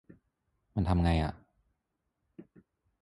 มันทำไงอะ